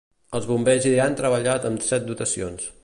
Els bombers hi han treballat amb set dotacions.